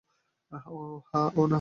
অহ, না!